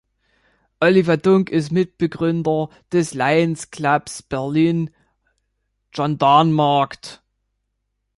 Oliver Dunk ist Mitbegründer des Lions Clubs Berlin Gendarmenmarkt.